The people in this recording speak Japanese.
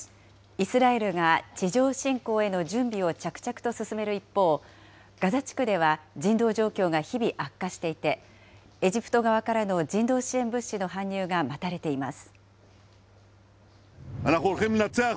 イスラエルが地上侵攻への準備を着々と進める一方、ガザ地区では人道状況が日々悪化していてエジプト側からの人道支援物資の搬入が待たれています。